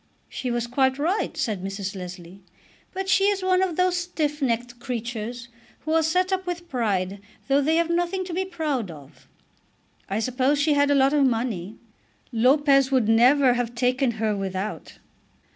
"She was quite right," said Mrs. Leslie. "But she is one of those stiff necked creatures who are set up with pride though they have nothing to be proud of. I suppose she had a lot of money. Lopez would never have taken her without."